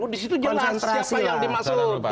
disitu jelas siapa yang dimasuk